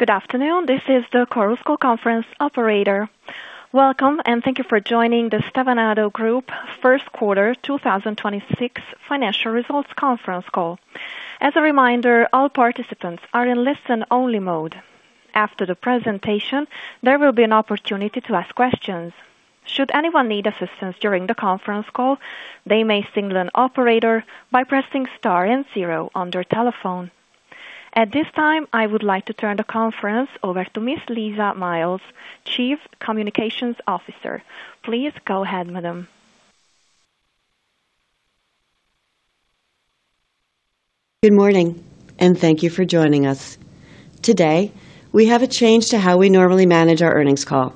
Good afternoon. This is the Chorus Call conference operator. Welcome, and thank you for joining the Stevanato Group First Quarter 2026 financial results conference call. As a reminder, all participants are in listen only mode. After the presentation, there will be an opportunity to ask questions. Should anyone need assistance during the conference call, they may signal an operator by pressing star 0 on their telephone. At this time, I would like to turn the conference over to Ms. Lisa Miles, Chief Communications Officer. Please go ahead, madam. Good morning, and thank you for joining us. Today, we have a change to how we normally manage our earnings call.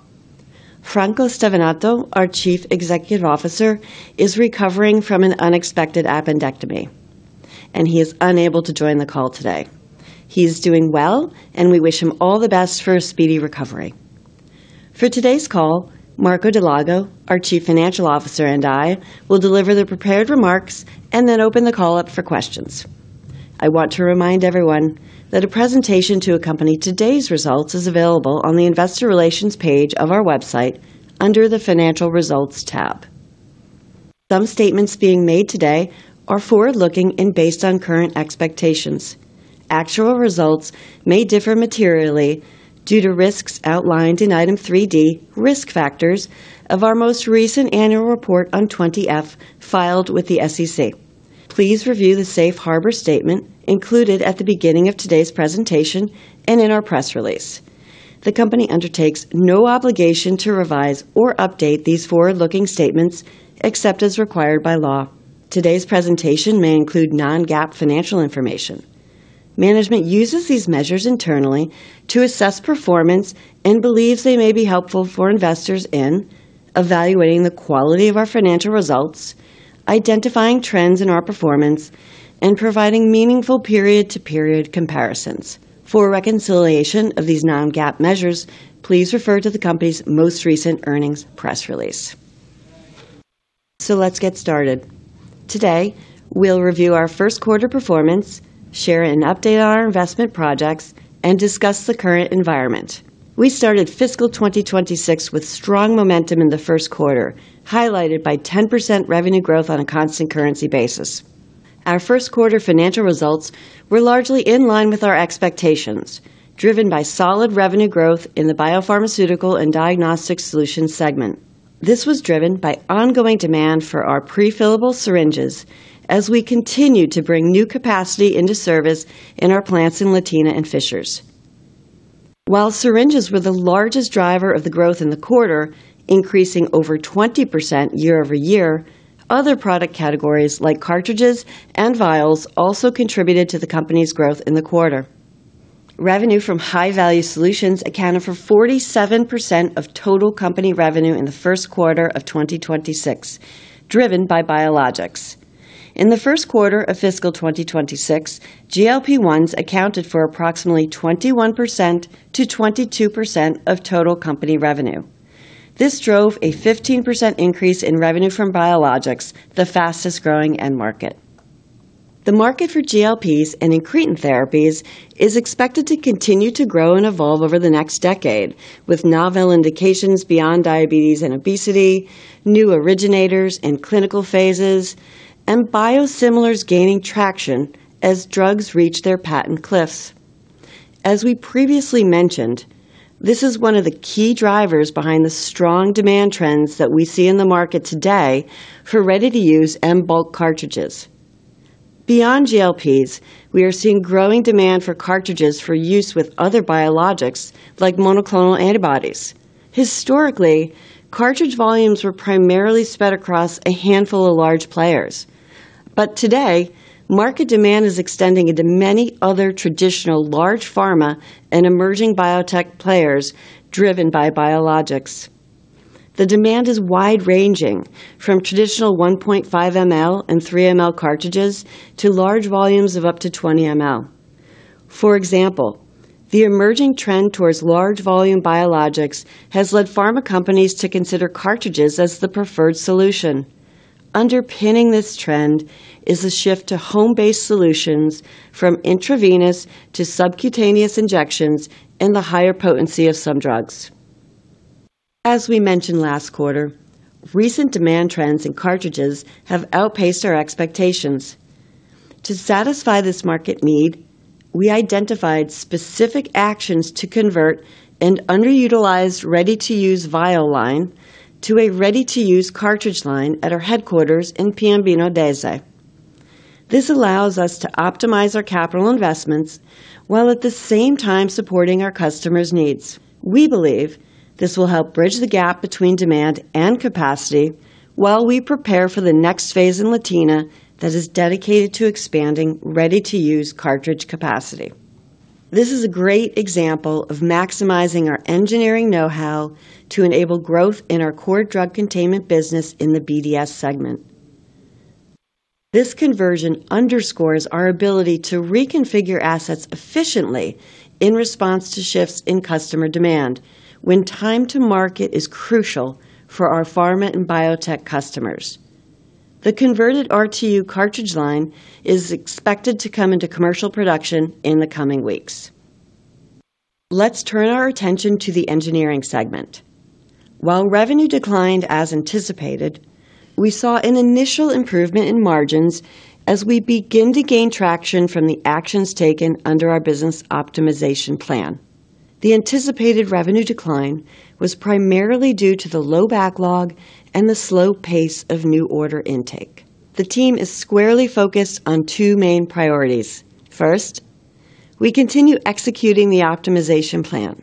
Franco Stevanato, our Chief Executive Officer, is recovering from an unexpected appendectomy, and he is unable to join the call today. He's doing well, and we wish him all the best for a speedy recovery. For today's call, Marco Dal Lago, our Chief Financial Officer, and I will deliver the prepared remarks and then open the call up for questions. I want to remind everyone that a presentation to accompany today's results is available on the investor relations page of our website under the Financial Results tab. Some statements being made today are forward-looking and based on current expectations. Actual results may differ materially due to risks outlined in Item 3D, Risk Factors, of our most recent annual report on Form 20-F filed with the SEC. Please review the safe harbor statement included at the beginning of today's presentation and in our press release. The company undertakes no obligation to revise or update these forward-looking statements except as required by law. Today's presentation may include non-GAAP financial information. Management uses these measures internally to assess performance and believes they may be helpful for investors in evaluating the quality of our financial results, identifying trends in our performance, and providing meaningful period-to-period comparisons. For a reconciliation of these non-GAAP measures, please refer to the company's most recent earnings press release. Let's get started. Today, we'll review our first quarter performance, share an update on our investment projects, and discuss the current environment. We started fiscal 2026 with strong momentum in the first quarter, highlighted by 10% revenue growth on a constant currency basis. Our first quarter financial results were largely in line with our expectations, driven by solid revenue growth in the biopharmaceutical and diagnostic solutions segment. This was driven by ongoing demand for our prefillable syringes as we continue to bring new capacity into service in our plants in Latina and Fishers. While syringes were the largest driver of the growth in the quarter, increasing over 20% year-over-year, other product categories like cartridges and vials also contributed to the company's growth in the quarter. Revenue from high-value solutions accounted for 47% of total company revenue in the first quarter of 2026, driven by biologics. In the first quarter of fiscal 2026, GLP-1s accounted for approximately 21%-22% of total company revenue. This drove a 15% increase in revenue from biologics, the fastest-growing end market. The market for GLPs and incretin therapies is expected to continue to grow and evolve over the next decade, with novel indications beyond diabetes and obesity, new originators in clinical phases, and biosimilars gaining traction as drugs reach their patent cliffs. As we previously mentioned, this is one of the key drivers behind the strong demand trends that we see in the market today for ready-to-use and bulk cartridges. Beyond GLPs, we are seeing growing demand for cartridges for use with other biologics, like monoclonal antibodies. Historically, cartridge volumes were primarily spread across a handful of large players. Today, market demand is extending into many other traditional large pharma and emerging biotech players driven by biologics. The demand is wide-ranging, from traditional 1.5 ml and 3 ml cartridges to large volumes of up to 20 ml. For example, the emerging trend towards large volume biologics has led pharma companies to consider cartridges as the preferred solution. Underpinning this trend is a shift to home-based solutions from intravenous to subcutaneous injections and the higher potency of some drugs. As we mentioned last quarter, recent demand trends in cartridges have outpaced our expectations. To satisfy this market need, we identified specific actions to convert an underutilized ready-to-use vial line to a ready-to-use cartridge line at our headquarters in Piombino Dese. This allows us to optimize our capital investments while at the same time supporting our customers' needs. We believe this will help bridge the gap between demand and capacity while we prepare for the next phase in Latina that is dedicated to expanding ready-to-use cartridge capacity. This is a great example of maximizing our engineering know-how to enable growth in our core drug containment business in the BDS segment. This conversion underscores our ability to reconfigure assets efficiently in response to shifts in customer demand when time to market is crucial for our pharma and biotech customers. The converted RTU cartridge line is expected to come into commercial production in the coming weeks. Let's turn our attention to the engineering segment. While revenue declined as anticipated, we saw an initial improvement in margins as we begin to gain traction from the actions taken under our business optimization plan. The anticipated revenue decline was primarily due to the low backlog and the slow pace of new order intake. The team is squarely focused on two main priorities. First, we continue executing the optimization plan.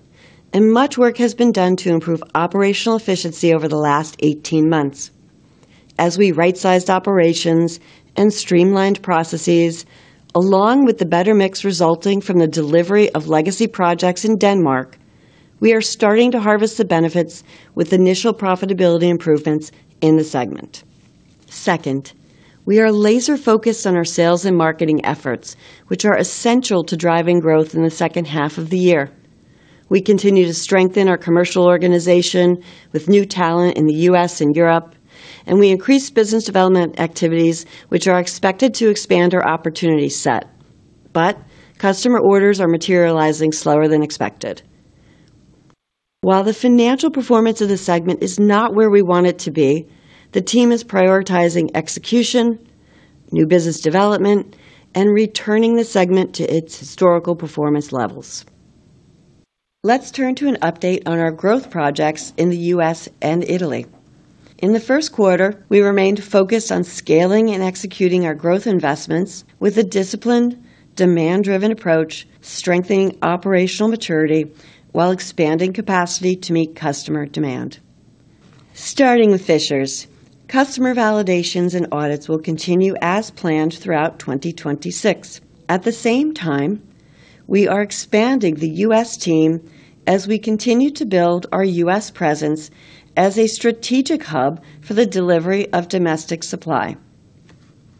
Much work has been done to improve operational efficiency over the last 18 months. As we right-sized operations and streamlined processes, along with the better mix resulting from the delivery of legacy projects in Denmark, we are starting to harvest the benefits with initial profitability improvements in the segment. Second, we are laser-focused on our sales and marketing efforts, which are essential to driving growth in the second half of the year. We continue to strengthen our commercial organization with new talent in the U.S. and Europe. We increased business development activities, which are expected to expand our opportunity set. Customer orders are materializing slower than expected. While the financial performance of the segment is not where we want it to be, the team is prioritizing execution, new business development, and returning the segment to its historical performance levels. Let's turn to an update on our growth projects in the U.S. and Italy. In the first quarter, we remained focused on scaling and executing our growth investments with a disciplined, demand-driven approach, strengthening operational maturity while expanding capacity to meet customer demand. Starting with Fishers, customer validations and audits will continue as planned throughout 2026. At the same time, we are expanding the U.S. team as we continue to build our U.S. presence as a strategic hub for the delivery of domestic supply.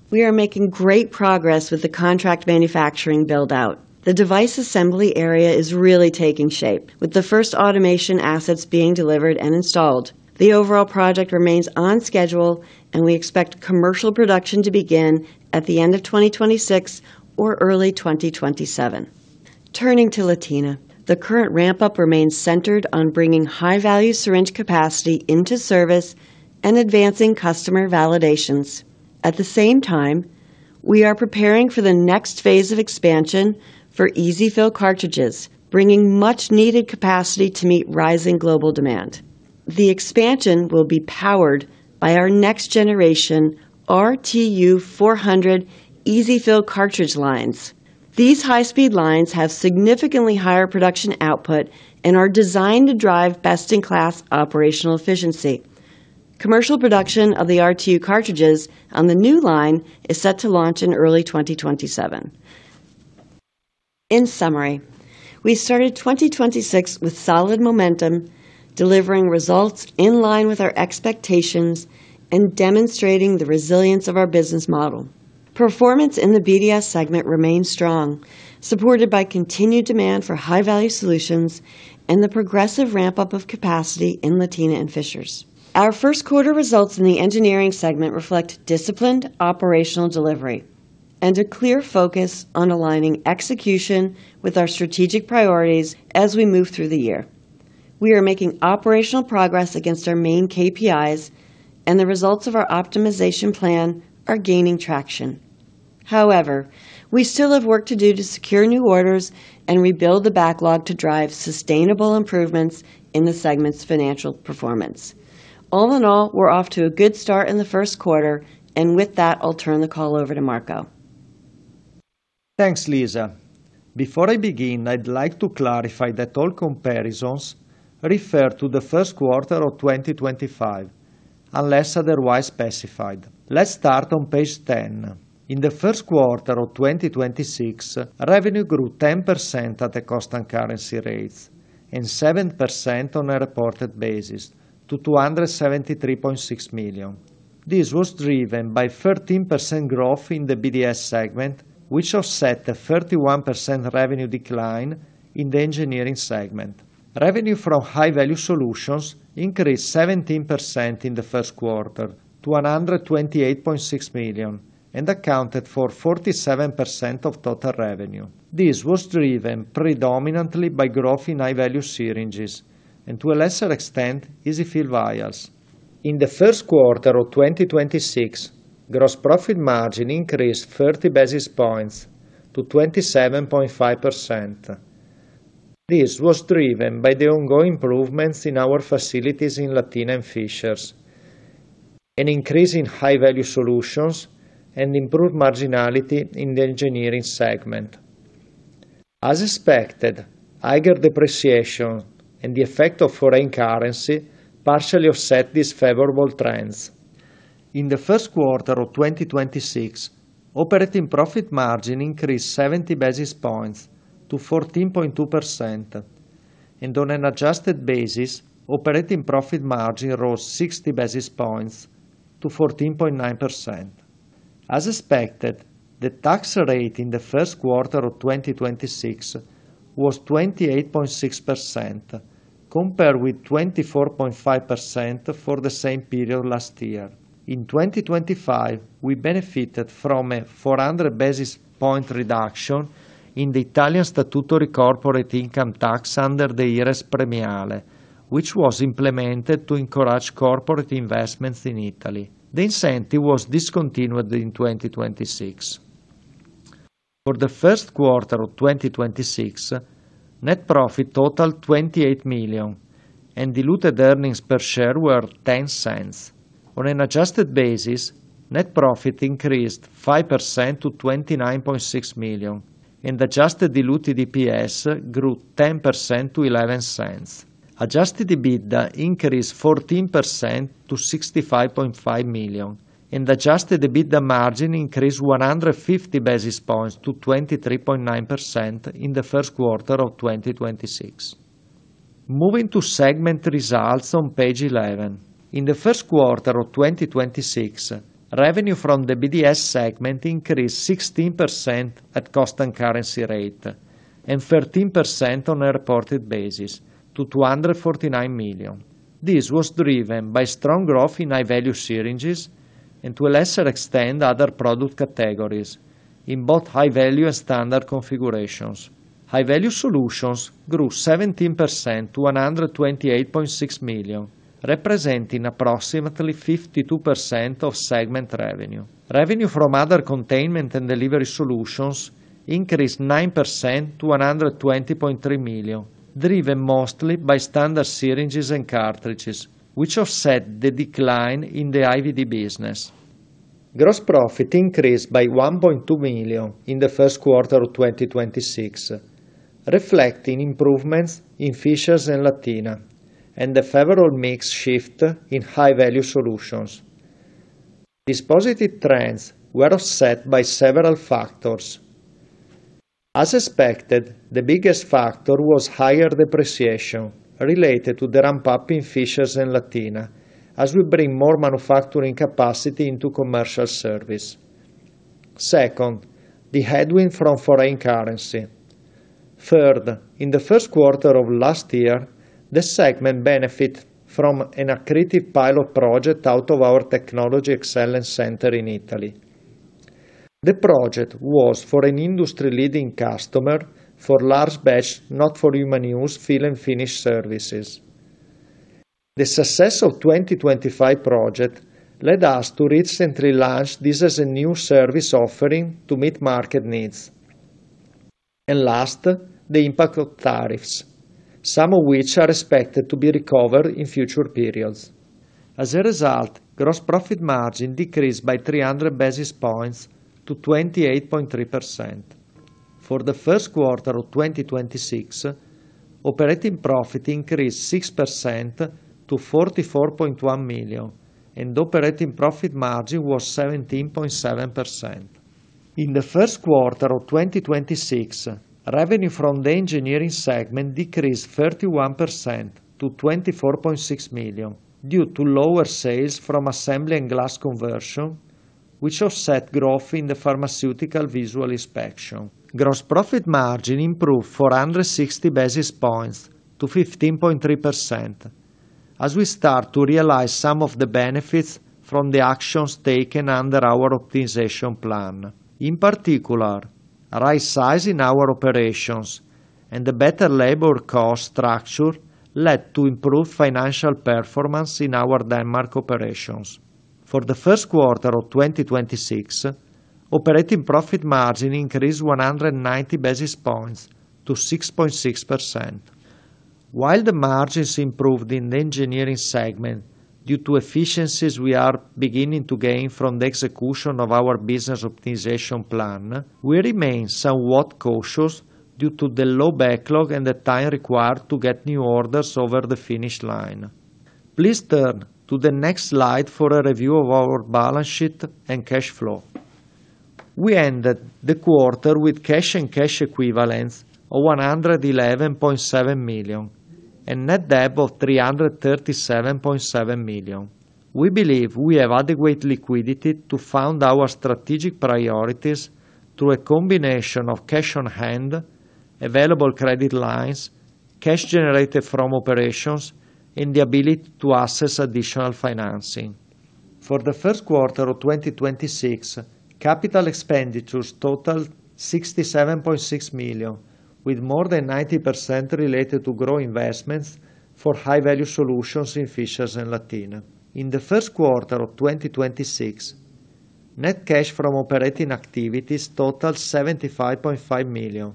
We are making great progress with the contract manufacturing build-out. The device assembly area is really taking shape, with the first automation assets being delivered and installed. The overall project remains on schedule, and we expect commercial production to begin at the end of 2026 or early 2027. Turning to Latina, the current ramp-up remains centered on bringing high-value syringe capacity into service and advancing customer validations. At the same time, we are preparing for the next phase of expansion for EZ-fill cartridges, bringing much-needed capacity to meet rising global demand. The expansion will be powered by our next-generation RTU 400 EZ-fill cartridge lines. These high-speed lines have significantly higher production output and are designed to drive best-in-class operational efficiency. Commercial production of the RTU cartridges on the new line is set to launch in early 2027. In summary, we started 2026 with solid momentum, delivering results in line with our expectations and demonstrating the resilience of our business model. Performance in the BDS segment remains strong, supported by continued demand for high-value solutions and the progressive ramp-up of capacity in Latina and Fishers. Our first quarter results in the engineering segment reflect disciplined operational delivery and a clear focus on aligning execution with our strategic priorities as we move through the year. We are making operational progress against our main KPIs, and the results of our optimization plan are gaining traction. We still have work to do to secure new orders and rebuild the backlog to drive sustainable improvements in the segment's financial performance. All in all, we're off to a good start in the first quarter, and with that, I'll turn the call over to Marco. Thanks, Lisa. Before I begin, I'd like to clarify that all comparisons refer to the 1st quarter of 2025, unless otherwise specified. Let's start on page 10. In the 1st quarter of 2026, revenue grew 10% at the cost and currency rates and 7% on a reported basis to 273.6 million. This was driven by 13% growth in the BDS segment, which offset a 31% revenue decline in the engineering segment. Revenue from high-value solutions increased 17% in the 1st quarter to EUR 128.6 million and accounted for 47% of total revenue. This was driven predominantly by growth in high-value syringes and, to a lesser extent, EZ-fill vials. In the 1st quarter of 2026, gross profit margin increased 30 basis points to 27.5%. This was driven by the ongoing improvements in our facilities in Latina and Fishers, an increase in high-value solutions, and improved marginality in the engineering segment. As expected, higher depreciation and the effect of foreign currency partially offset these favorable trends. In the first quarter of 2026, operating profit margin increased 70 basis points to 14.2%, and on an adjusted basis, operating profit margin rose 60 basis points to 14.9%. As expected, the tax rate in the first quarter of 2026 was 28.6% compared with 24.5% for the same period last year. In 2025, we benefited from a 400 basis point reduction in the Italian statutory corporate income tax under the IRES premiale, which was implemented to encourage corporate investments in Italy. The incentive was discontinued in 2026. For the first quarter of 2026, net profit totaled 28 million, and diluted earnings per share were 0.10. On an adjusted basis, net profit increased 5% to 29.6 million, and adjusted diluted EPS grew 10% to 0.11. Adjusted EBITDA increased 14% to 65.5 million, and adjusted EBITDA margin increased 150 basis points to 23.9% in the first quarter of 2026. Moving to segment results on page 11. In the first quarter of 2026, revenue from the BDS segment increased 16% at cost and currency rate and 13% on a reported basis to 249 million. This was driven by strong growth in high-value syringes and, to a lesser extent, other product categories in both high-value and standard configurations. High-value solutions grew 17% to 128.6 million, representing approximately 52% of segment revenue. Revenue from other containment and delivery solutions increased 9% to 120.3 million, driven mostly by standard syringes and cartridges, which offset the decline in the IVD business. Gross profit increased by 1.2 million in the first quarter of 2026, reflecting improvements in Fishers and Latina and the favorable mix shift in high-value solutions. These positive trends were offset by several factors. As expected, the biggest factor was higher depreciation related to the ramp-up in Fishers and Latina as we bring more manufacturing capacity into commercial service. Second, the headwind from foreign currency. Third, in the first quarter of last year, the segment benefited from an accretive pilot project out of our Technology Excellence Center in Italy. The project was for an industry-leading customer for large batch, Not For Human Use, fill and finish services. The success of the 2025 project led us to recently launch this as a new service offering to meet market needs. Last, the impact of tariffs, some of which are expected to be recovered in future periods. As a result, gross profit margin decreased by 300 basis points to 28.3%. For the first quarter of 2026, operating profit increased 6% to 44.1 million, and operating profit margin was 17.7%. In the first quarter of 2026, revenue from the Engineering segment decreased 31% to 24.6 million due to lower sales from assembly and glass conversion, which offset growth in the pharmaceutical visual inspection. Gross profit margin improved 460 basis points to 15.3% as we start to realize some of the benefits from the actions taken under our optimization plan. In particular, the right-sizing our operations and the better labor cost structure led to improved financial performance in our Denmark operations. For the first quarter of 2026, operating profit margin increased 190 basis points to 6.6%. While the margins improved in the Engineering segment due to efficiencies we are beginning to gain from the execution of our business optimization plan, we remain somewhat cautious due to the low backlog and the time required to get new orders over the finish line. Please turn to the next slide for a review of our balance sheet and cash flow. We ended the quarter with cash and cash equivalents of 111.7 million and net debt of 337.7 million. We believe we have adequate liquidity to fund our strategic priorities through a combination of cash on hand, available credit lines, cash generated from operations, and the ability to access additional financing. For the first quarter of 2026, capital expenditures totaled 67.6 million, with more than 90% related to growth investments for high-value solutions in Fishers and Latina. In the first quarter of 2026, net cash from operating activities totaled 75.5 million.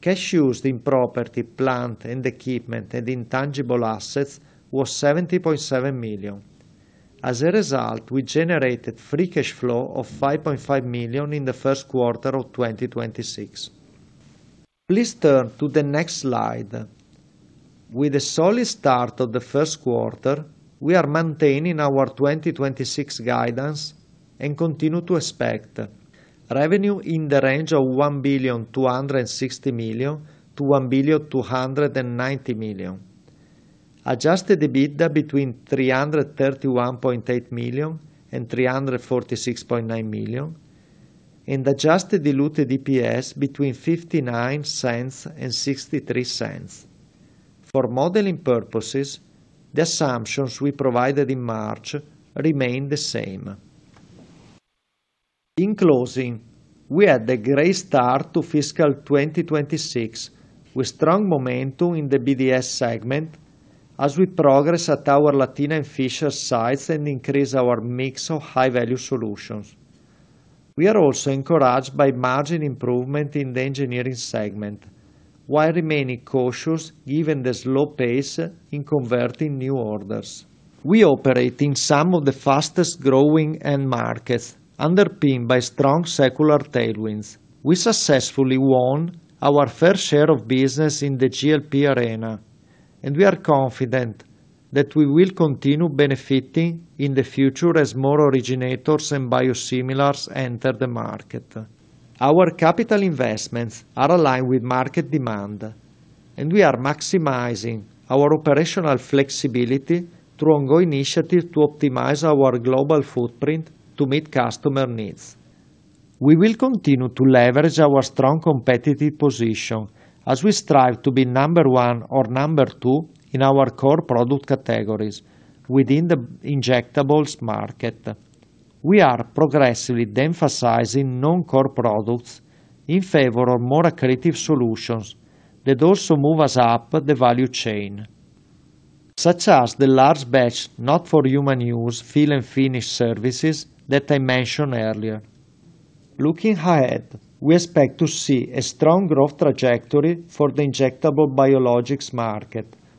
Cash used in property, plant and equipment, and intangible assets was 70.7 million. As a result, we generated free cash flow of 5.5 million in the first quarter of 2026. Please turn to the next slide. With the solid start of the first quarter, we are maintaining our 2026 guidance and continue to expect revenue in the range of 1.26 billion-1.29 billion. Adjusted EBITDA between 331.8 million and 346.9 million. Adjusted diluted EPS between 0.59 and 0.63. For modeling purposes, the assumptions we provided in March remain the same. In closing, we had a great start to fiscal 2026, with strong momentum in the BDS segment as we progress at our Latina and Fishers sites and increase our mix of high-value solutions. We are also encouraged by margin improvement in the Engineering segment while remaining cautious given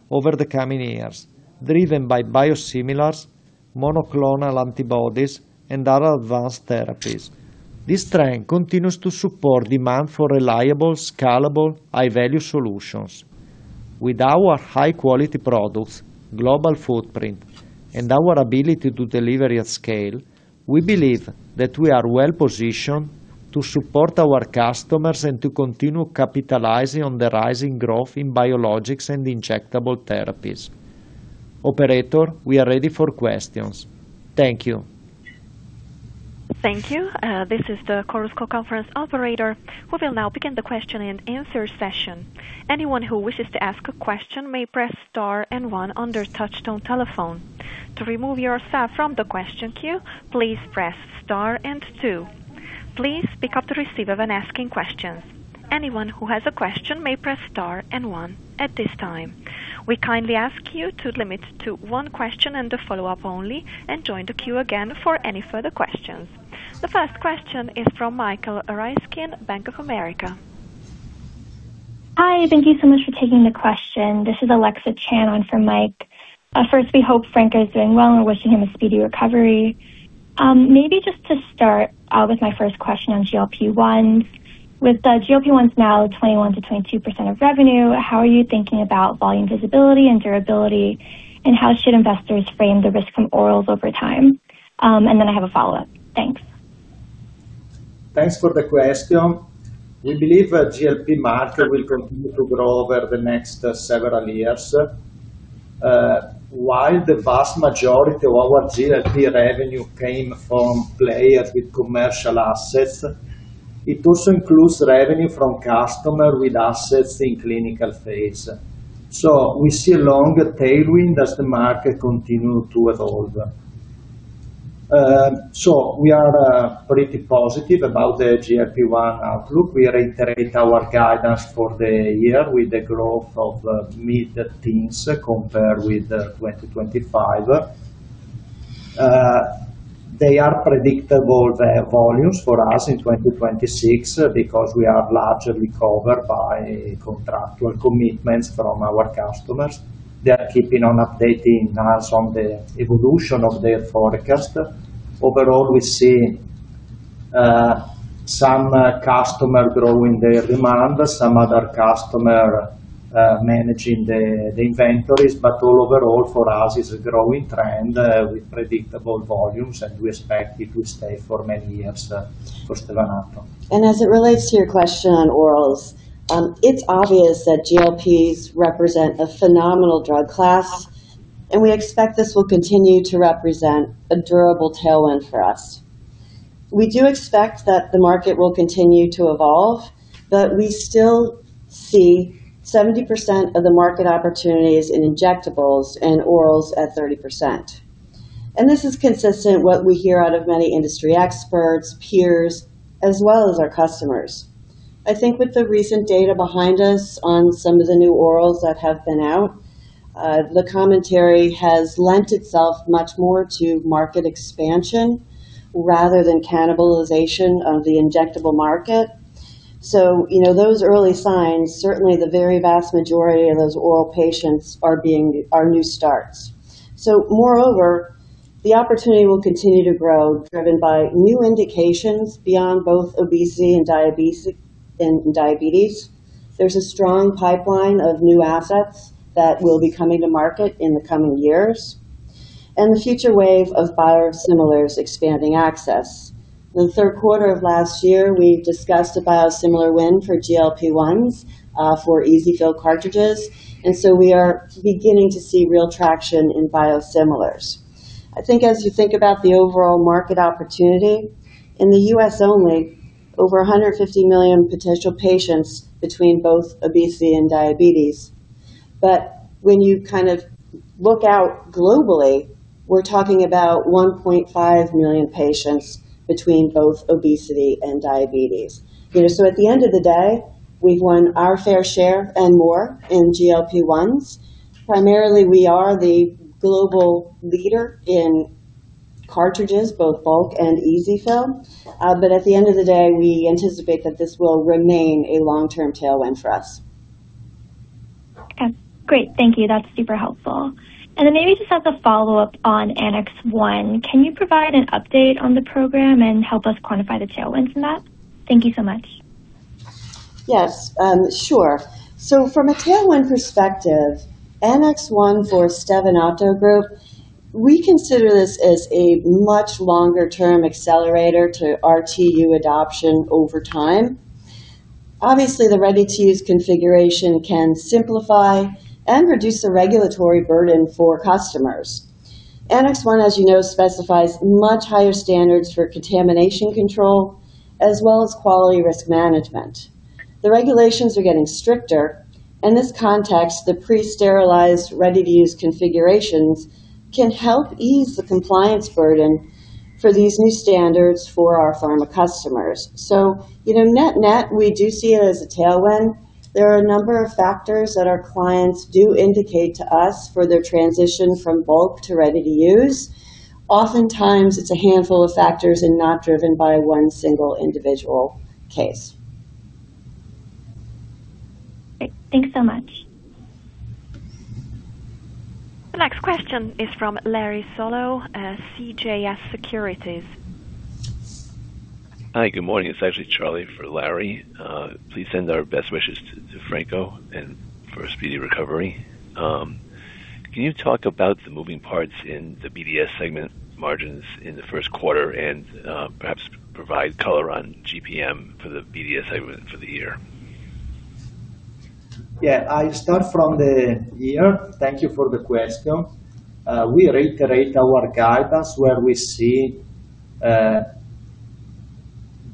over the coming years, driven by biosimilars, monoclonal antibodies, and other advanced therapies. This trend continues to support demand for reliable, scalable, high-value solutions. With our high-quality products, global footprint, and our ability to deliver at scale, we believe that we are well-positioned to support our customers and to continue capitalizing on the rising growth in biologics and injectable therapies. Operator, we are ready for questions. Thank you. Thank you. This is the Chorus Call conference operator who will now begin the question and answer session. Anyone who wishes to ask a question may press star and one on their touch-tone telephone. To remove yourself from the question queue, please press star and two. Please pick up the receiver when asking questions. Anyone who has a question may press star and one at this time. We kindly ask you to limit to 1 question and a follow-up only and join the queue again for any further questions. The first question is from Michael Ryskin, Bank of America. Hi. Thank you so much for taking the question. This is Alexa Chan in for Mike. First, we hope Franco is doing well, and we're wishing him a speedy recovery. Maybe just to start with my first question on GLP-1. With the GLP-1s now 21%-22% of revenue, how are you thinking about volume visibility and durability, and how should investors frame the risk from orals over time? Then I have a follow-up. Thanks. Thanks for the question. We believe that GLP-1 market will continue to grow over the next several years. While the vast majority of our GLP-1 revenue came from players with commercial assets, it also includes revenue from customer with assets in clinical phase. We see a longer tailwind as the market continue to evolve. We are pretty positive about the GLP-1 outlook. We reiterate our guidance for the year with the growth of mid-teens compared with 2025. They are predictable, the volumes for us in 2026 because we are largely covered by contractual commitments from our customers. They are keeping on updating us on the evolution of their forecast. Overall, we see some customer growing their demand, some other customer managing the inventories. Overall, for us, it's a growing trend with predictable volumes, and we expect it will stay for many years for Stevanato. As it relates to your question on orals, it's obvious that GLPs represent a phenomenal drug class, and we expect this will continue to represent a durable tailwind for us. We do expect that the market will continue to evolve, but we still see 70% of the market opportunities in injectables and orals at 30%. This is consistent what we hear out of many industry experts, peers, as well as our customers.I think with the recent data behind us on some of the new orals that have been out, the commentary has lent itself much more to market expansion rather than cannibalization of the injectable market. You know, those early signs, certainly the very vast majority of those oral patients are being new starts. Moreover, the opportunity will continue to grow, driven by new indications beyond both obesity and diabetes. There's a strong pipeline of new assets that will be coming to market in the coming years. The future wave of biosimilars expanding access. In the third quarter of last year, we discussed a biosimilar win for GLP-1s for EZ-fill cartridges. We are beginning to see real traction in biosimilars. I think as you think about the overall market opportunity, in the U.S. only, over 150 million potential patients between both obesity and diabetes. When you kind of look out globally, we're talking about 1.5 million patients between both obesity and diabetes. You know, at the end of the day, we've won our fair share and more in GLP-1s. Primarily, we are the global leader in cartridges, both bulk and EZ-fill. At the end of the day, we anticipate that this will remain a long-term tailwind for us. Okay, great. Thank you. That's super helpful. Maybe just as a follow-up on Annex 1, can you provide an update on the program and help us quantify the tailwinds in that? Thank you so much. Yes, sure. From a tailwind perspective, Annex 1 for Stevanato Group, we consider this as a much longer term accelerator to RTU adoption over time. Obviously, the Ready-to-Use configuration can simplify and reduce the regulatory burden for customers. Annex 1, as you know, specifies much higher standards for contamination control as well as quality risk management. The regulations are getting stricter. In this context, the pre-sterilized, Ready-to-Use configurations can help ease the compliance burden for these new standards for our pharma customers. You know, net-net, we do see it as a tailwind. There are a number of factors that our clients do indicate to us for their transition from bulk to Ready-to-Use. Oftentimes, it's a handful of factors and not driven by 1 single individual case. Thanks so much. The next question is from Larry Solow, CJS Securities. Hi, good morning. It's actually Charlie for Larry. Please send our best wishes to Franco and for a speedy recovery. Can you talk about the moving parts in the BDS segment margins in the first quarter and perhaps provide color on GPM for the BDS segment for the year? Yeah, I'll start from the year. Thank you for the question. We reiterate our guidance where we see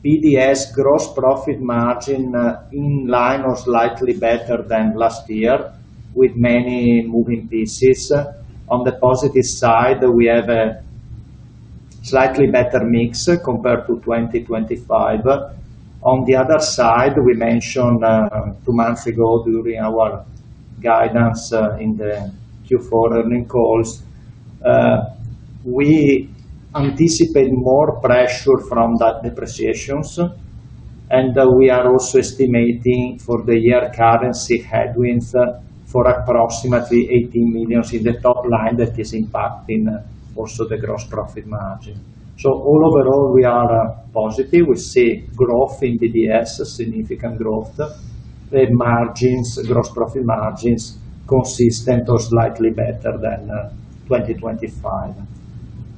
BDS gross profit margin in line or slightly better than last year, with many moving pieces. On the positive side, we have a slightly better mix compared to 2025. On the other side, we mentioned two months ago during our guidance in the Q4 earnings calls, we anticipate more pressure from that depreciation. We are also estimating for the year currency headwinds for approximately 18 million in the top line that is impacting also the gross profit margin. All overall, we are positive. We see growth in BDS, significant growth. The margins, gross profit margins consistent or slightly better than 2025.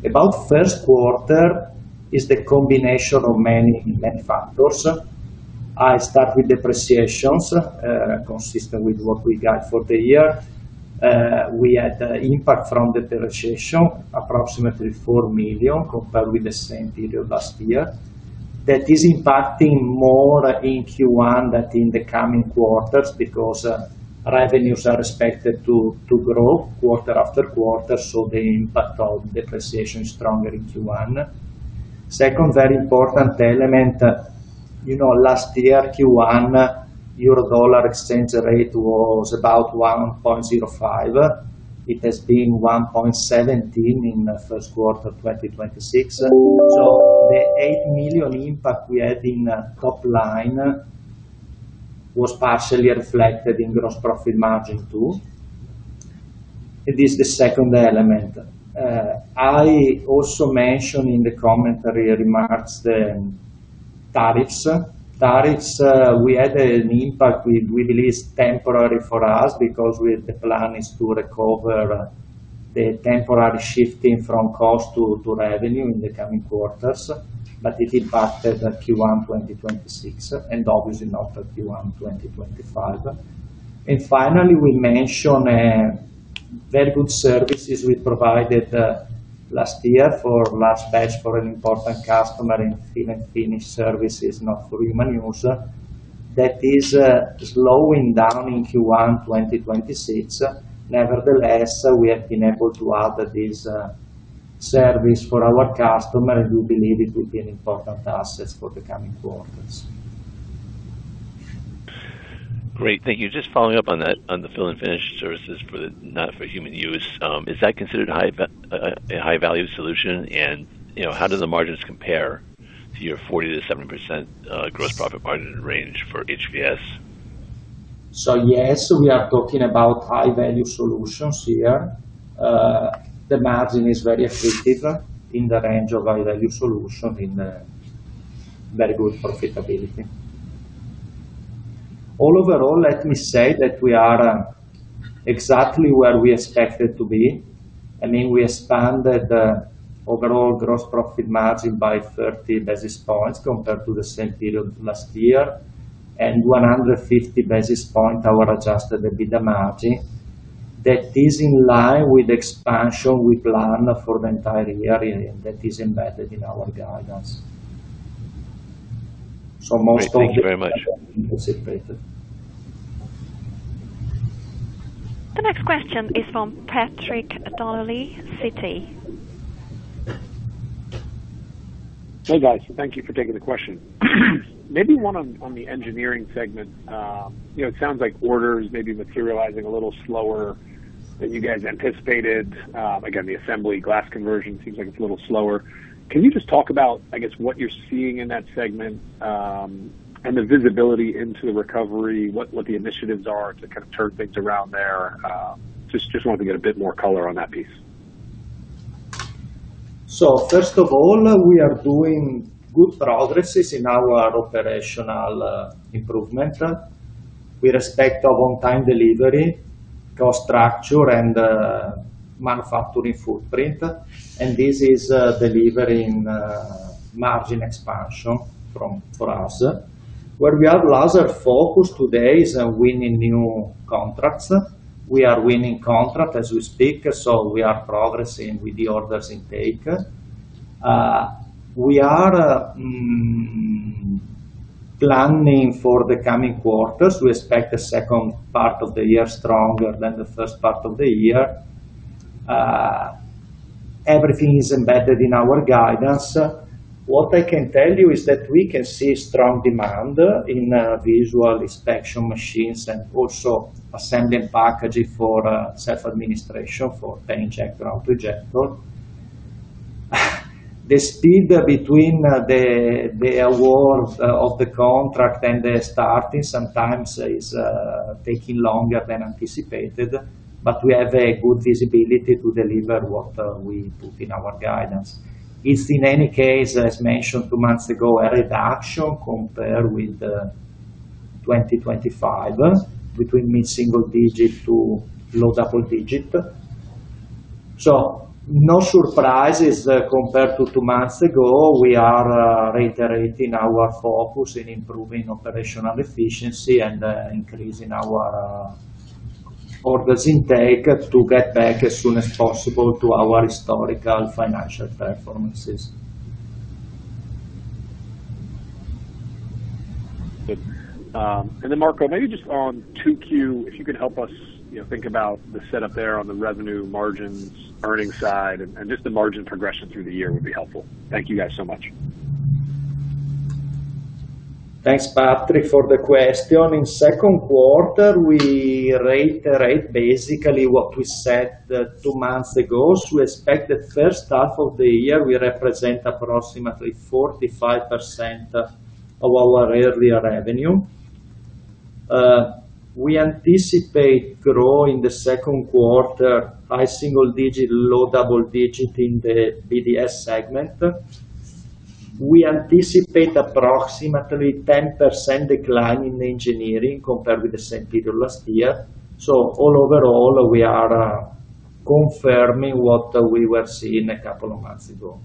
About first quarter is the combination of many factors. I start with depreciations, consistent with what we got for the year. We had impact from depreciation approximately 4 million compared with the same period last year. That is impacting more in Q1 than in the coming quarters because revenues are expected to grow quarter after quarter, so the impact of depreciation is stronger in Q1. Second very important element, you know, last year, Q1 Euro dollar exchange rate was about 1.05. It has been 1.17 in the first quarter of 2026. The 8 million impact we had in top line was partially reflected in gross profit margin too. It is the second element. I also mentioned in the commentary remarks the tariffs. Tariffs, we had an impact we believe is temporary for us because the plan is to recover the temporary shifting from cost to revenue in the coming quarters. It impacted Q1 2026 and obviously not Q1 2025. Finally, we mentioned very good services we provided last year for last batch for an important customer in fill and finish services Not For Human Use. That is slowing down in Q1 2026. Nevertheless, we have been able to add this service for our customer, and we believe it will be an important asset for the coming quarters. Great. Thank you. Just following up on that, on the fill and finish services for the Not For Human Use, is that considered a high-value solution? You know, how do the margins compare to your 40% to 70% gross profit margin range for HVS? Yes, we are talking about high-value solutions here. The margin is very attractive in the range of high-value solution in very good profitability. All overall, let me say that we are exactly where we expected to be. I mean, we expanded overall gross profit margin by 30 basis points compared to the same period last year, and 150 basis points our adjusted EBITDA margin. That is in line with expansion we plan for the entire year, and that is embedded in our guidance. Great. Thank you very much. The next question is from Patrick Donnelly, Citi. Hey, guys. Thank you for taking the question. Maybe one on the engineering segment. you know, it sounds like orders may be materializing a little slower than you guys anticipated. Again, the assembly glass conversion seems like it's a little slower. Can you just talk about, I guess, what you're seeing in that segment, and the visibility into the recovery, what the initiatives are to kind of turn things around there? Just wanted to get a bit more color on that piece. First of all, we are doing good progresses in our operational improvement. We respect our on-time delivery, cost structure and manufacturing footprint, and this is delivering margin expansion for us. Where we have lesser focus today is winning new contracts. We are winning contract as we speak, we are progressing with the orders intake. We are planning for the coming quarters. We expect the second part of the year stronger than the first part of the year. Everything is embedded in our guidance. What I can tell you is that we can see strong demand in visual inspection machines and also assembly and packaging for self-administration for pen injector or autoinjector. The speed between the award of the contract and the starting sometimes is taking longer than anticipated, but we have a good visibility to deliver what we put in our guidance. It's in any case, as mentioned two months ago, a reduction compared with 2025 between mid-single digit to low double digit. No surprises compared to two months ago. We are reiterating our focus in improving operational efficiency and increasing our orders intake to get back as soon as possible to our historical financial performances. Good. Marco, maybe just on 2Q, if you could help us, you know, think about the setup there on the revenue margins, earnings side, and just the margin progression through the year would be helpful. Thank you guys so much. Thanks, Patrick, for the question. In second quarter, we reiterate basically what we said two months ago. We expect the first half of the year will represent approximately 45% of our earlier revenue. We anticipate growing the second quarter by single digit, low double digit in the BDS segment. We anticipate approximately 10% decline in engineering compared with the same period last year. All overall, we are confirming what we were seeing a couple of months ago.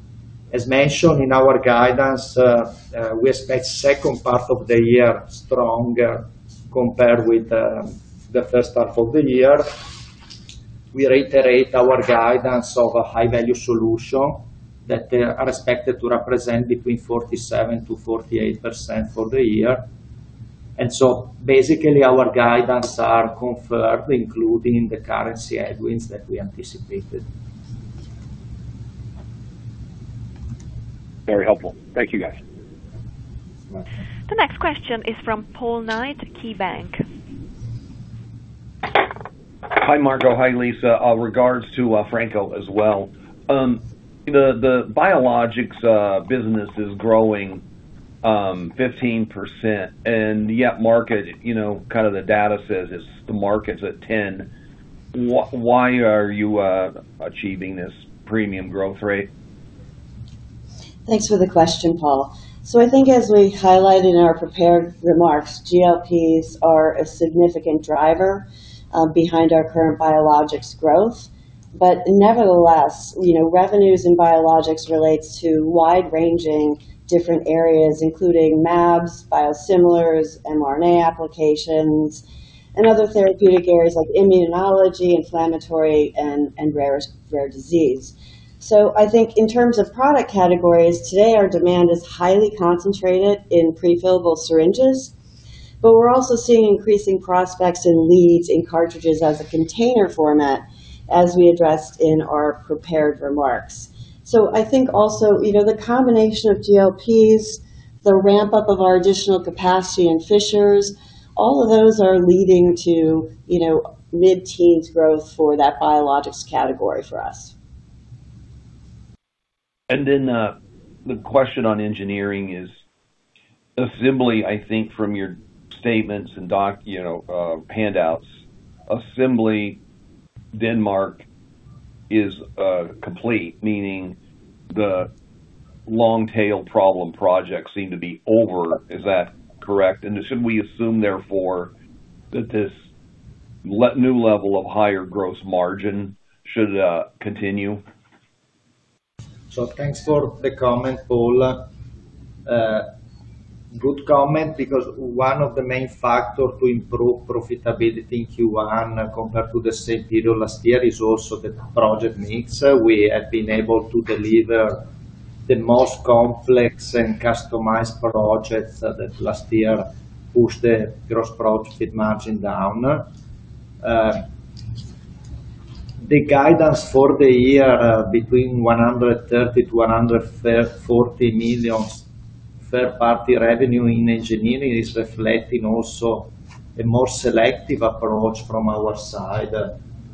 As mentioned in our guidance, we expect second part of the year stronger compared with the first half of the year. We reiterate our guidance of a high value solution that are expected to represent between 47%-48% for the year. Basically, our guidance are confirmed, including the currency headwinds that we anticipated. Very helpful. Thank you, guys. The next question is from Paul Knight, KeyBanc. Hi, Marco. Hi, Lisa. Regards to Franco as well. The biologics business is growing 15%, yet market, you know, kind of the data says it's the market's at 10%. Why are you achieving this premium growth rate? Thanks for the question, Paul. I think as we highlighted in our prepared remarks, GLPs are a significant driver behind our current biologics growth. Nevertheless, you know, revenues in biologics relates to wide-ranging different areas, including mAbs, biosimilars, mRNA applications, and other therapeutic areas like immunology, inflammatory and rare disease. I think in terms of product categories, today our demand is highly concentrated in prefillable syringes, but we're also seeing increasing prospects and leads in cartridges as a container format, as we addressed in our prepared remarks. I think also, you know, the combination of GLPs, the ramp-up of our additional capacity in Fishers, all of those are leading to, you know, mid-teens growth for that biologics category for us. The question on engineering is assembly, I think from your statements and you know, handouts, assembly Denmark is complete, meaning the long-tail problem projects seem to be over. Is that correct? Should we assume therefore that this new level of higher gross margin should continue? Thanks for the comment, Paul. Good comment because one of the main factors to improve profitability in Q1 compared to the same period last year is also the project mix. We have been able to deliver the most complex and customized projects that last year pushed the gross profit margin down. The guidance for the year between 130 million to 140 million third-party revenue in engineering is reflecting also a more selective approach from our side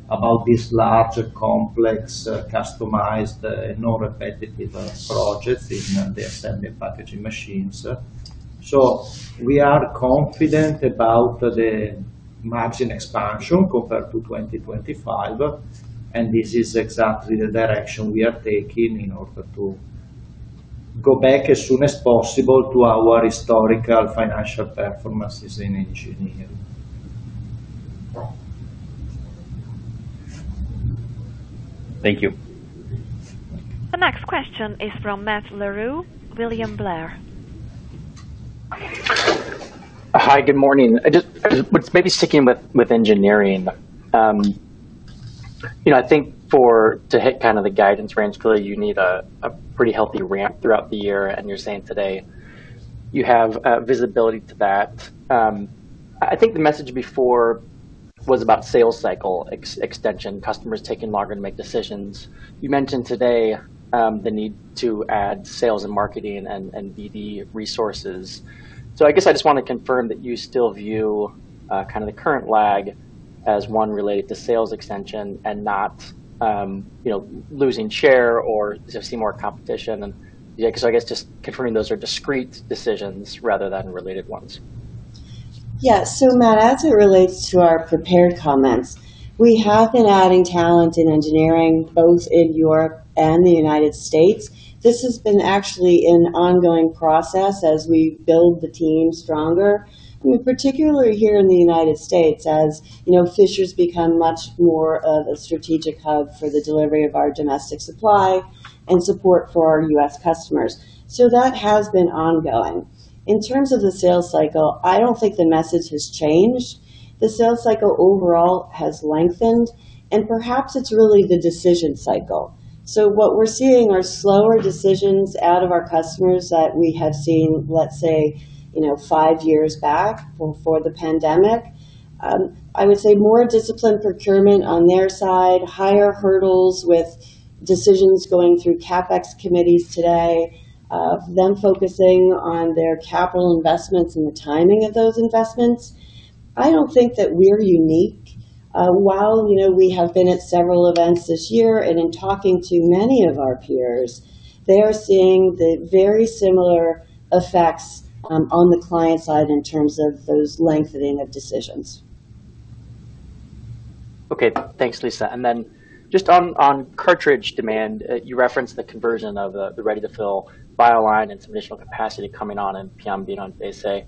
about this larger, complex, customized, non-repetitive projects in the assembly and packaging machines. We are confident about the margin expansion compared to 2025, and this is exactly the direction we are taking in order to go back as soon as possible to our historical financial performances in engineering. Thank you. The next question is from Matt Larew, William Blair. Hi, good morning. Just maybe sticking with engineering. You know, I think to hit kind of the guidance range, clearly you need a pretty healthy ramp throughout the year, and you're saying today you have visibility to that. I think the message before was about sales cycle extension, customers taking longer to make decisions. You mentioned today the need to add sales and marketing and BD resources. I guess I just want to confirm that you still view kind of the current lag as one related to sales extension and not, you know, losing share or see more competition. Yeah, because I guess just confirming those are discrete decisions rather than related ones. Yeah. Matt, as it relates to our prepared comments, we have been adding talent in engineering, both in Europe and the U.S. This has been actually an ongoing process as we build the team stronger. Particularly here in the U.S., as you know, Fisher's become much more of a strategic hub for the delivery of our domestic supply and support for our U.S. customers. That has been ongoing. In terms of the sales cycle, I don't think the message has changed. The sales cycle overall has lengthened, and perhaps it's really the decision cycle. What we're seeing are slower decisions out of our customers that we have seen, let's say, you know, 5 years back before the pandemic. I would say more disciplined procurement on their side, higher hurdles with decisions going through CapEx committees today, them focusing on their capital investments and the timing of those investments. I don't think that we're unique. While, you know, we have been at several events this year and in talking to many of our peers, they are seeing the very similar effects on the client side in terms of those lengthening of decisions. Okay. Thanks, Lisa. Then just on cartridge demand, you referenced the conversion of the ready-to-fill vial line and some additional capacity coming on in Piombino and Faenza.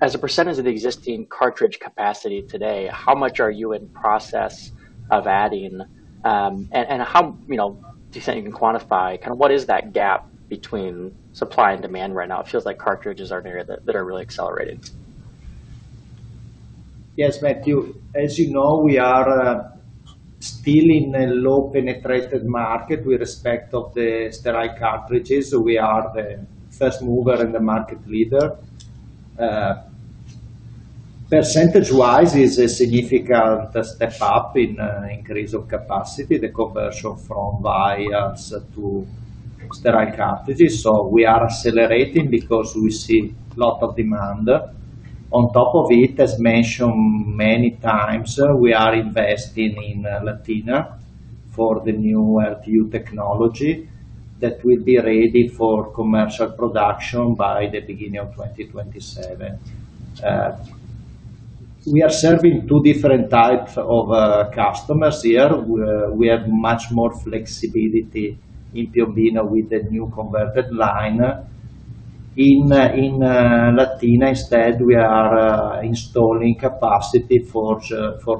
As a percentage of the existing cartridge capacity today, how much are you in process of adding? How, you know, do you think you can quantify kind of what is that gap between supply and demand right now? It feels like cartridges are an area that are really accelerating. Yes, Matt Larew. As you know, we are still in a low-penetrated market with respect of the sterile cartridges. We are the first mover and the market leader. Percentage-wise is a significant step up in increase of capacity, the conversion from vials to sterile cartridges. We are accelerating because we see lot of demand. On top of it, as mentioned many times, we are investing in Latina for the new RTU technology that will be ready for commercial production by the beginning of 2027. We are serving two different types of customers here. We have much more flexibility in Piombino with the new converted line. In Latina, instead, we are installing capacity for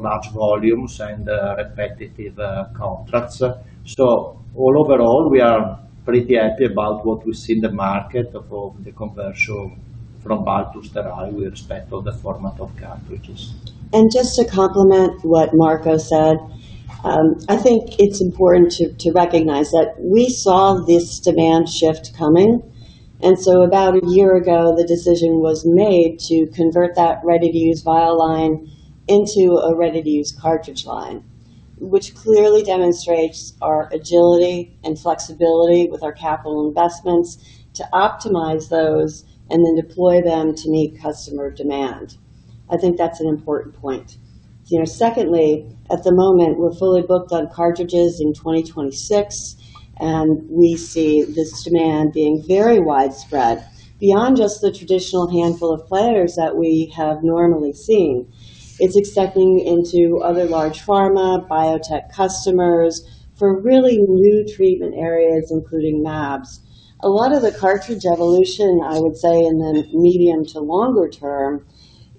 large volumes and repetitive contracts. Overall, we are pretty happy about what we see in the market of the conversion from vial to sterile with respect of the format of cartridges. Just to complement what Marco said, I think it's important to recognize that we saw this demand shift coming. About a year ago, the decision was made to convert that Ready-to-use vial line into a Ready-to-use cartridge line, which clearly demonstrates our agility and flexibility with our capital investments to optimize those and then deploy them to meet customer demand. I think that's an important point. You know, secondly, at the moment, we're fully booked on cartridges in 2026, and we see this demand being very widespread beyond just the traditional handful of players that we have normally seen. It's accepting into other large pharma, biotech customers for really new treatment areas, including MABS. A lot of the cartridge evolution, I would say, in the medium to longer term,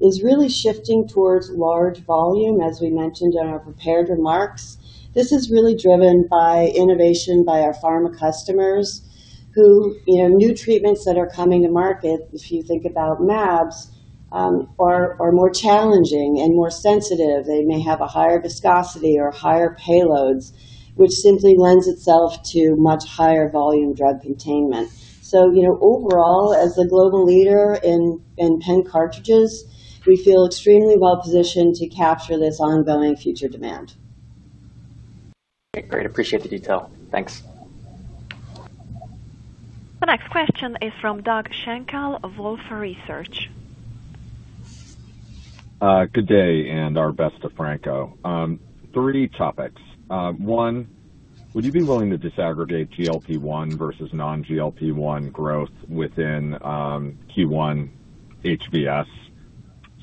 is really shifting towards large volume, as we mentioned in our prepared remarks. This is really driven by innovation by our pharma customers who, you know, new treatments that are coming to market, if you think about MABS, are more challenging and more sensitive. They may have a higher viscosity or higher payloads, which simply lends itself to much higher volume drug containment. You know, overall, as the global leader in pen cartridges, we feel extremely well-positioned to capture this ongoing future demand. Okay. Great. Appreciate the detail. Thanks. The next question is from Doug Schenkel of Wolfe Research. Good day, and our best to Franco. Three topics. One, would you be willing to disaggregate GLP-1 versus non-GLP-1 growth within Q1 HVS?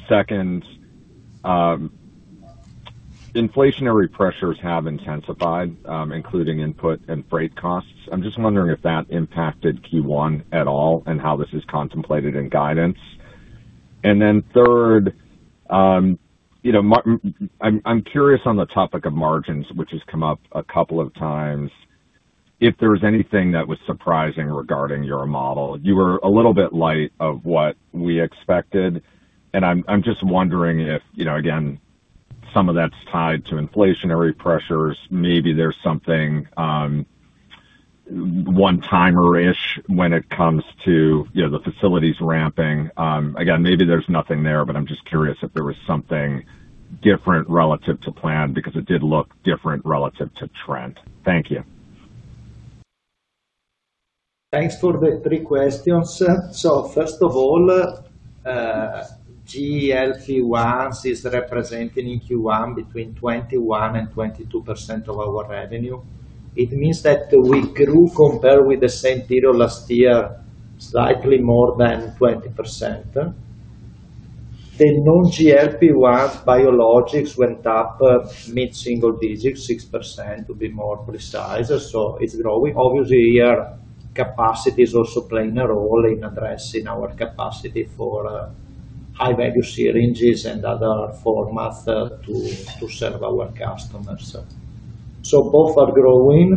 Second, inflationary pressures have intensified, including input and freight costs. I'm just wondering if that impacted Q1 at all and how this is contemplated in guidance. Third, you know, I'm curious on the topic of margins, which has come up a couple of times, if there was anything that was surprising regarding your model. You were a little bit light of what we expected, I'm just wondering if, you know, again, some of that's tied to inflationary pressures. Maybe there's something one-timer-ish when it comes to, you know, the facilities ramping. Maybe there's nothing there, but I'm just curious if there was something different relative to plan because it did look different relative to trend. Thank you. Thanks for the three questions. First of all, GLP-1 is representing in Q1 between 21% and 22% of our revenue. It means that we grew compared with the same period last year, slightly more than 20%. The non-GLP-1 biologics went up mid-single digits, 6% to be more precise. It's growing. Obviously, our capacity is also playing a role in addressing our capacity for high-value syringes and other formats to serve our customers. Both are growing.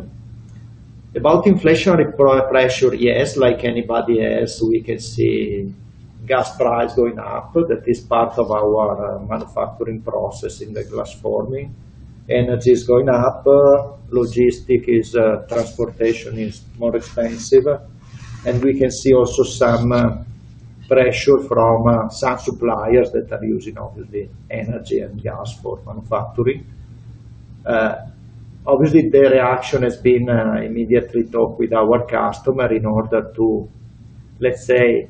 About inflationary pressure, yes, like anybody else, we can see gas price going up. That is part of our manufacturing process in the glass forming. Energy is going up. Logistic is, transportation is more expensive. We can see also some pressure from some suppliers that are using obviously energy and gas for manufacturing. Obviously, the reaction has been immediately talk with our customer in order to, let's say,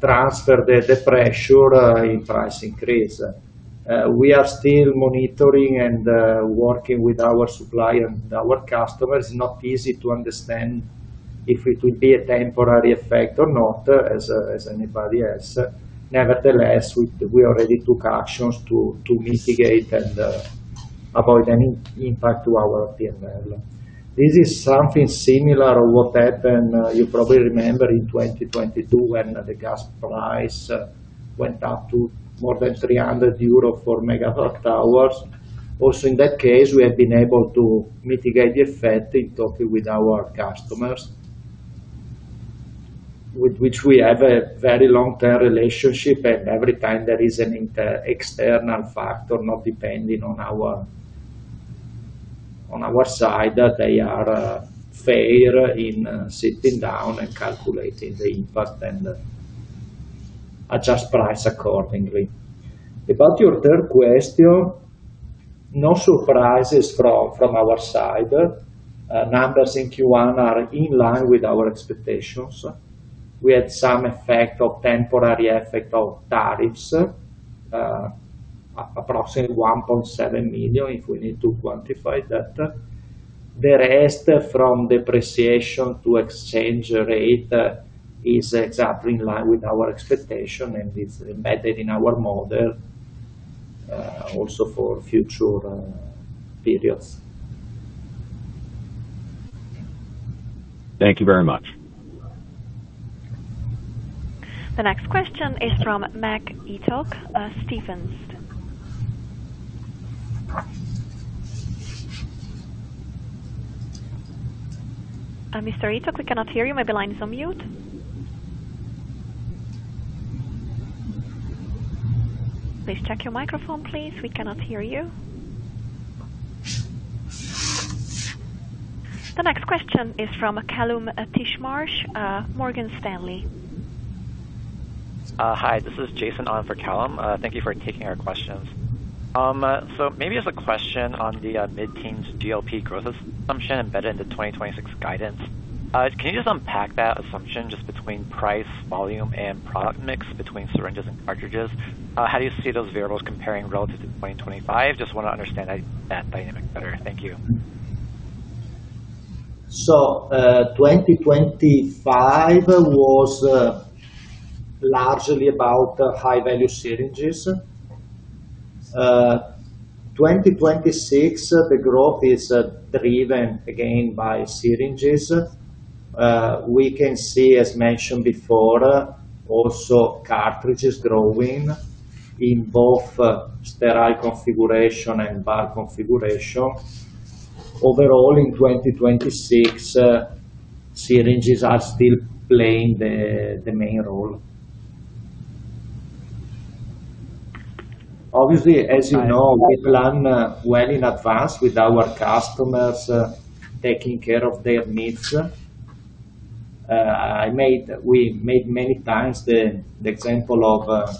transfer the pressure in price increase. We are still monitoring and working with our supplier and our customers. It's not easy to understand if it will be a temporary effect or not, as anybody else. Nevertheless, we already took actions to mitigate and avoid any impact to our P&L. This is something similar what happened, you probably remember in 2022 when the gas price went up to more than 300 euro for megawatt hours. In that case, we have been able to mitigate the effect in talking with our customers, with which we have a very long-term relationship, and every time there is an external factor, not depending on our side, they are fair in sitting down and calculating the impact and adjust price accordingly. About your third question, no surprises from our side. Numbers in Q1 are in line with our expectations. We had some temporary effect of tariffs, approximately 1.7 million, if we need to quantify that. The rest from depreciation to exchange rate is exactly in line with our expectation and is embedded in our model also for future periods. Thank you very much. The next question is from Mac Etoch, Stephens. Mr. Etoch, we cannot hear you. Maybe line is on mute. Please check your microphone, please. We cannot hear you. The next question is from Kallum Titchmarsh, Morgan Stanley. Hi, this is Jason on for Kallum. Thank you for taking our questions. Maybe as a question on the mid-teens' GLP growth assumption embedded into 2026 guidance. Can you just unpack that assumption just between price, volume, and product mix between syringes and cartridges? How do you see those variables comparing relative to 2025? Just want to understand that dynamic better. Thank you. 2025 was largely about high-value syringes. 2026, the growth is driven again by syringes. We can see, as mentioned before, also cartridges growing in both sterile configuration and bulk configuration. Overall, in 2026, syringes are still playing the main role. Obviously, as you know, we plan well in advance with our customers, taking care of their needs. We made many times the example of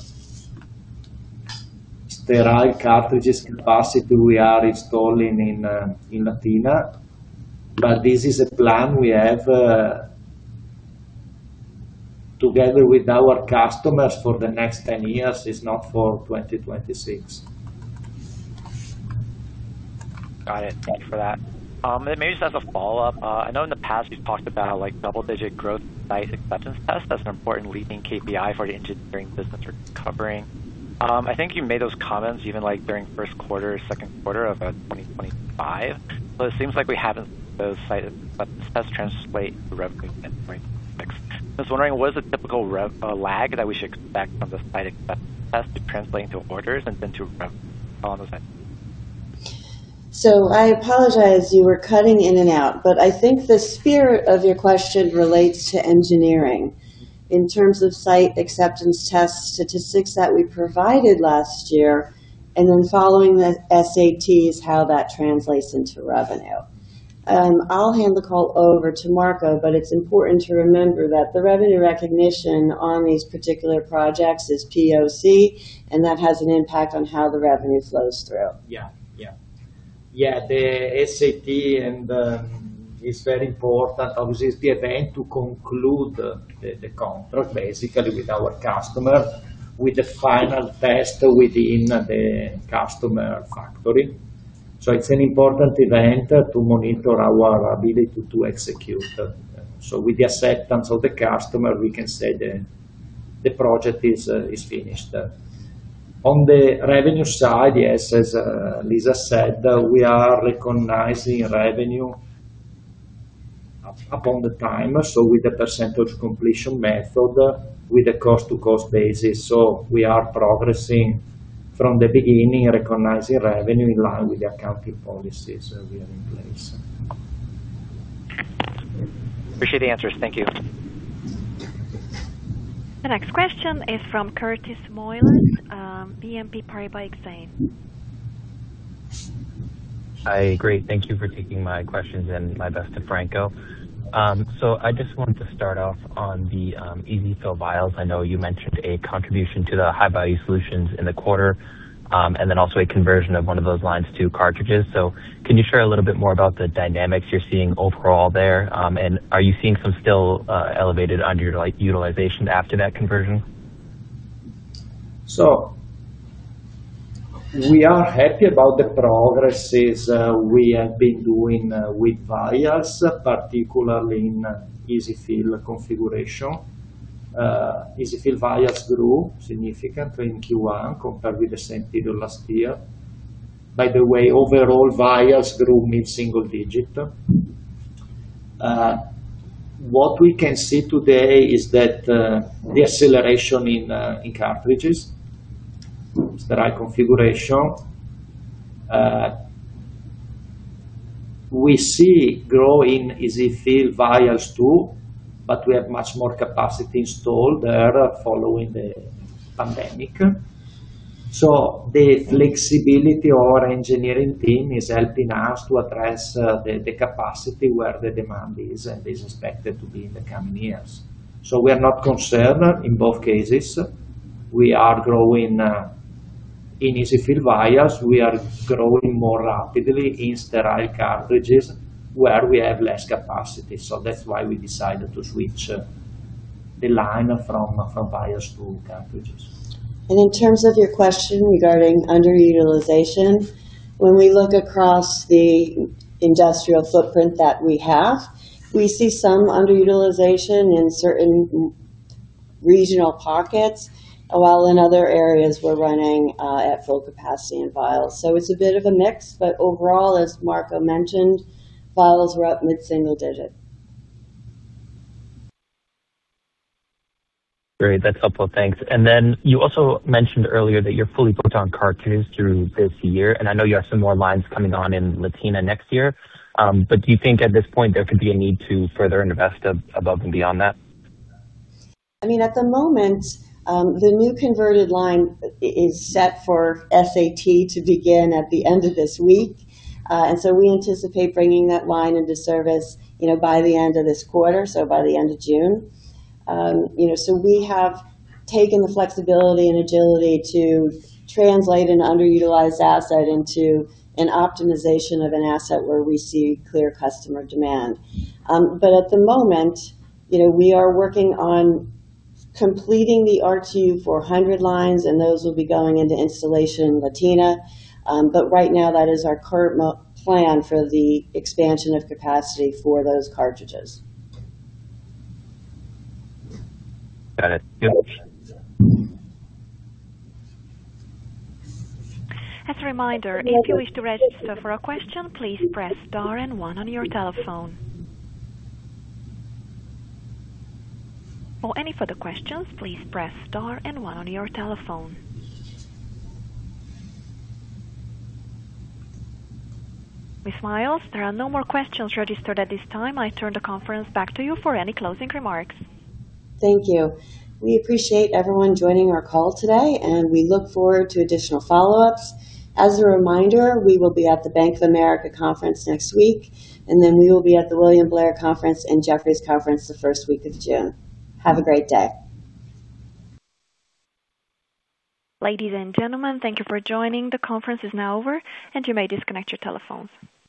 sterile cartridges capacity we are installing in Latina. This is a plan we have together with our customers for the next 10 years, it's not for 2026. Got it. Thank you for that. I know in the past you've talked about how, like, double-digit growth site acceptance tests as an important leading KPI for the engineering business recovering. I think you made those comments even, like, during first quarter, second quarter of 2025. It seems like we haven't those site acceptance tests translate to revenue in 2026. Just wondering, what is the typical rev lag that we should expect from the site acceptance test to translating to orders and then to rev? Follow those lines. I apologize, you were cutting in and out, but I think the spirit of your question relates to engineering in terms of site acceptance test statistics that we provided last year, and then following the SAT is how that translates into revenue. I'll hand the call over to Marco, but it's important to remember that the revenue recognition on these particular projects is POC, and that has an impact on how the revenue flows through. The SAT and it's very important, obviously, it's the event to conclude the contract basically with our customer, with the final test within the customer factory. It's an important event to monitor our ability to execute. With the acceptance of the customer, we can say the project is finished. On the revenue side, yes, as Lisa said, we are recognizing revenue upon the time, with the percentage completion method, with the cost to cost basis. We are progressing from the beginning, recognizing revenue in line with the accounting policies we have in place. Appreciate the answers. Thank you. The next question is from Curtiss Moyles, BNP Paribas Exane. Hi. Great. Thank you for taking my questions, and my best to Franco. I just wanted to start off on the EZ-fill vials. I know you mentioned a contribution to the high-value solutions in the quarter, and then also a conversion of one of those lines to cartridges. Can you share a little bit more about the dynamics you're seeing overall there? Are you seeing some still elevated underutilization after that conversion? We are happy about the progresses we have been doing with vials, particularly in EZ-fill configuration. EZ-fill vials grew significantly in Q1 compared with the same period last year. Overall, vials grew mid-single digit. What we can see today is that the acceleration in cartridges, sterile configuration. We see growing EZ-fill vials too, but we have much more capacity installed there following the pandemic. The flexibility of our engineering team is helping us to address the capacity where the demand is and is expected to be in the coming years. We are not concerned in both cases. We are growing in EZ-fill vials. We are growing more rapidly in sterile cartridges where we have less capacity. That's why we decided to switch the line from vials to cartridges. In terms of your question regarding underutilization, when we look across the industrial footprint that we have, we see some underutilization in certain regional pockets, while in other areas we're running at full capacity in vials. It's a bit of a mix, but overall, as Marco mentioned, vials were up mid-single digit. Great. That's helpful. Thanks. You also mentioned earlier that you're fully booked on cartridges through this year, and I know you have some more lines coming on in Latina next year. Do you think at this point there could be a need to further invest above and beyond that? I mean, at the moment, the new converted line is set for SAT to begin at the end of this week. We anticipate bringing that line into service, you know, by the end of this quarter, so by the end of June. You know, we have taken the flexibility and agility to translate an underutilized asset into an optimization of an asset where we see clear customer demand. At the moment, you know, we are working on completing the RTU 400 lines, and those will be going into installation in Latina. Right now that is our current plan for the expansion of capacity for those cartridges. Got it. Thank you. Ms. Miles, there are no more questions registered at this time. I turn the conference back to you for any closing remarks. Thank you. We appreciate everyone joining our call today, and we look forward to additional follow-ups. As a reminder, we will be at the Bank of America conference next week, and then we will be at the William Blair conference and Jefferies conference the first week of June. Have a great day. Ladies and gentlemen, thank you for joining.